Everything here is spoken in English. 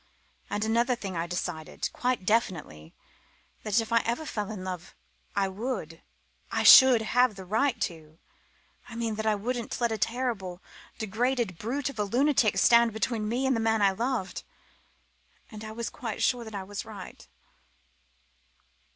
And another thing I decided quite definitely that if ever I fell in love I would I should have the right to I mean that I wouldn't let a horrible, degraded brute of a lunatic stand between me and the man I loved. And I was quite sure that I was right."